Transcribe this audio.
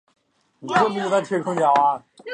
韦唯的父亲在中国铁道部工作。